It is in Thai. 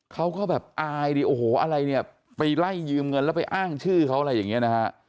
เขาก็แบบอายดิโอ้โหอะไรเนี่ยไปไล่ยืมเงินแล้วไปอ้างชื่อเขาอะไรอย่างนี้นะฮะ